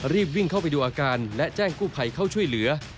รีบวิ่งเข้าไปดูอาการและแจ้งกู้ภัยเข้าช่วยเหลือ